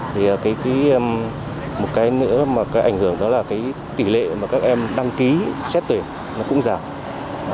thì một cái nữa mà cái ảnh hưởng đó là cái tỷ lệ mà các em đăng ký xét tuyển nó cũng giảm